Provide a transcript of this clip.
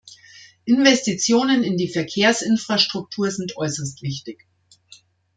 Investitionen in die Verkehrsinfrastruktur sind äußerst wichtig.